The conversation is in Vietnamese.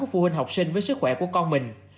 phụ huynh học sinh với sức khỏe của con mình